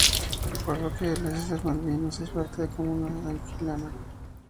La Parroquia de las Islas Malvinas es parte de la Comunión anglicana.